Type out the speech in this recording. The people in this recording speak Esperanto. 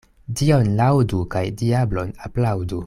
Dion laŭdu kaj diablon aplaŭdu.